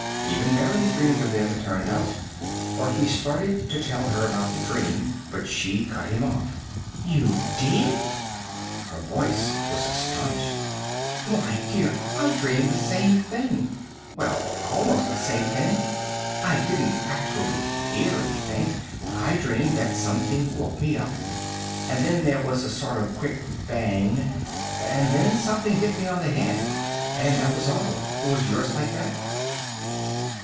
Even Mary had dreamed of them, it turned out, for he started to tell her about the dream, but she cut him off. "You did?" Her voice was astonished. "Why, dear, I dreamed the same thing! Well, almost the same thing. I didn't actually hear anything. I dreamed that something woke me up, and then there was a sort of quick bang, and then something hit me on the head. And that was all. Was yours like that?"